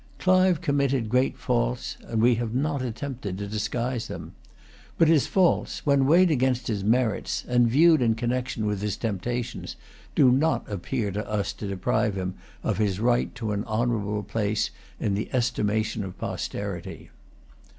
Clive committed great faults; and we have not attempted to disguise them. But his faults, when weighed against his merits, and viewed in connection with his temptations, do not appear to us to deprive him of his right to an honourable place in the estimation of posterity.